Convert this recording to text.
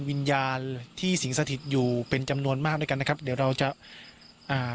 วิญญาณที่สิงสถิตอยู่เป็นจำนวนมากด้วยกันนะครับเดี๋ยวเราจะอ่า